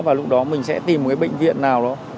và lúc đó mình sẽ tìm một cái bệnh viện nào đó